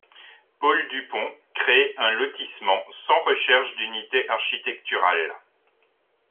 Paul Dupont crée un lotissement sans recherche d’unité architecturale.